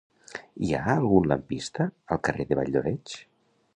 Hi ha algun lampista al carrer de Valldoreix?